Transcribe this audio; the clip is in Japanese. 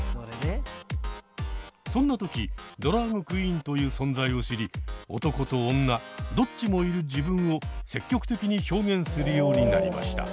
そんな時ドラァグクイーンという存在を知り男と女どっちもいる自分を積極的に表現するようになりました。